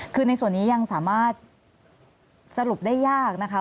คือในส่วนนี้ยังสามารถสรุปได้ยากนะคะ